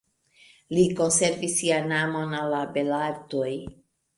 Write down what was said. Li konservis sian amon al la belartoj.